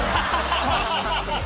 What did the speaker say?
しかし。